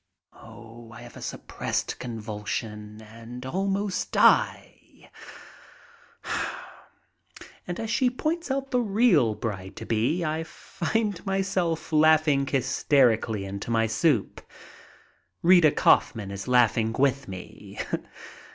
I have a suppressed convulsion and almost die, and as she points out the real bride to be I find myself laughing hys terically into my soup. Rita Kaufman is laughing with me.